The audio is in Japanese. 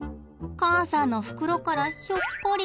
母さんの袋からひょっこり。